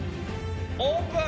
「オープン」